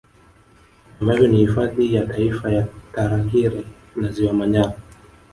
Ambavyo ni Hifadhi ya Taifa ya Tarangire na Ziwa Manyara